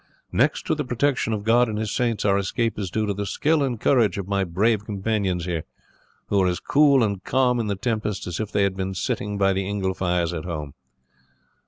Next to the protection of God and His saints, our escape is due to the skill and courage of my brave companions here, who were as cool and calm in the tempest as if they had been sitting by the ingle fires at home."